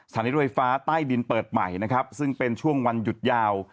รถไฟฟ้าใต้ดินเปิดใหม่นะครับซึ่งเป็นช่วงวันหยุดยาว